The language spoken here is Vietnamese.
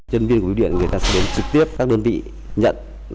nhân viên của biểu điện sẽ đến trực tiếp các đơn vị nhận